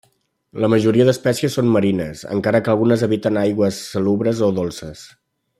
La majoria d'espècies són marines, encara que algunes habiten aigües salobres o dolces.